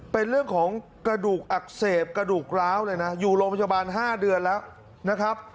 เป็นเรื่องของกระดูกอักเสบกระดูกร้าวเลยนะอยู่โรงพยาบาล๕เดือนแล้วนะครับ